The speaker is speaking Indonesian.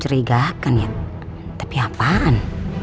perigakan ya tapi apaan